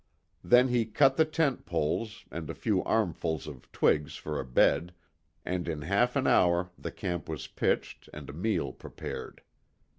Then he cut the tent poles, and a few armfuls of twigs for a bed, and in half an hour the camp was pitched and a meal prepared.